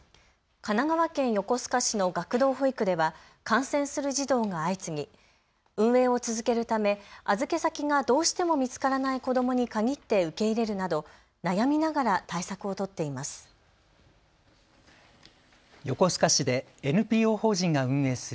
神奈川県横須賀市の学童保育では感染する児童が相次ぎ運営を続けるため預け先がどうしても見つからない子どもに限って受け入れるなど悩みながら対策を取っています。